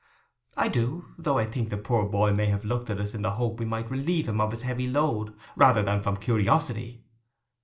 'I do,—though I think the poor boy may have looked at us in the hope we might relieve him of his heavy load, rather than from curiosity.